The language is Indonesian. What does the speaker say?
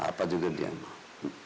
apa juga dia mau